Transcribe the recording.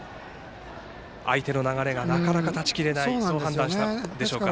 相手の流れがなかなか断ち切れないとそう判断したでしょうか。